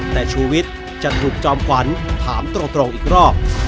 แต่ชูวิทย์จะถูกจอมขวัญถามตรงอีกรอบ